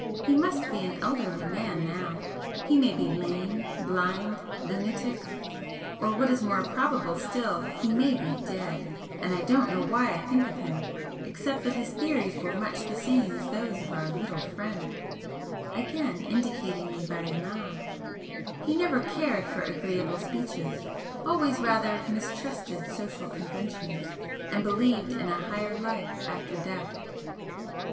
He must be an elderly man now, he may be lame, blind, lunatic, or what is more probable still, he may be dead, and I don't know why I think of him except that his theories were much the same as those of our little friend," again indicating me by a nod "He never cared for agreeable speeches, always rather mistrusted social conventions, and believed in a Higher Life after Death."